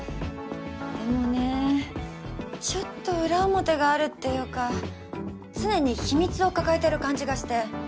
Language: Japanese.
でもねぇちょっと裏表があるっていうか常に秘密を抱えてる感じがして